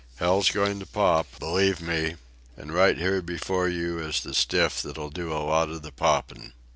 Hell's going to pop, believe me, and right here before you is the stiff that'll do a lot of the poppin'.